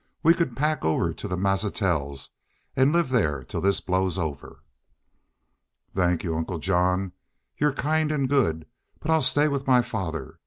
"We could pack over to the Mazatzals an' live thar till this blows over." "Thank y'u, Uncle John. Y'u're kind and good. But I'll stay with my father.